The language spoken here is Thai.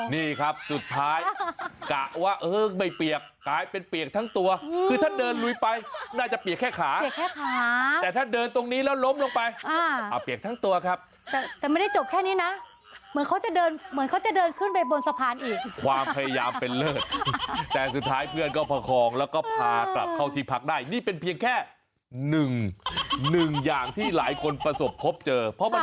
นี่ครับสุดท้ายกะว่าเออไม่เปียกกลายเป็นเปียกทั้งตัวคือถ้าเดินลุยไปน่าจะเปียกแค่ขาเปียกแค่ขาแต่ถ้าเดินตรงนี้แล้วล้มลงไปอ่าอ่าเปียกทั้งตัวครับแต่แต่ไม่ได้จบแค่นี้น่ะเหมือนเขาจะเดินเหมือนเขาจะเดินขึ้นไปบนสะพานอีกความพยายามเป็นเลิศแต่สุดท้ายเพื่อนก็พระคองแล้วก็พากลั